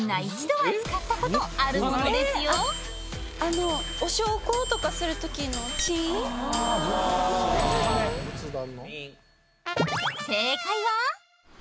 あのお焼香とかする時のチーン？仏壇？